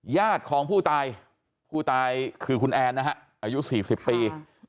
ญาติของผู้ตายผู้ตายคือคุณแอนนะฮะอายุ๔๐ปี